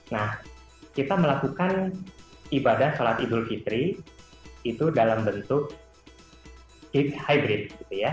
nah kita melakukan ibadah sholat idul fitri itu dalam bentuk hid hybrid gitu ya